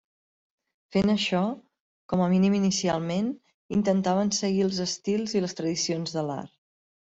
Fent això, com a mínim inicialment, intentaven seguir els estils i les tradicions de l'art.